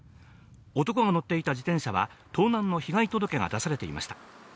男が乗っていた自転車は盗難の被害届が出されていました。